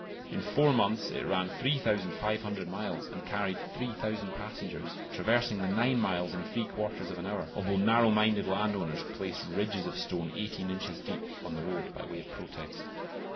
In four months it ran 3500 miles and carried 3000 passengers, traversing the nine miles in three quarters of an hour; although narrow minded landowners placed ridges of stone eighteen inches deep on the road by way of protest.